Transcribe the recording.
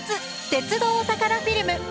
鉄道お宝フィルム」。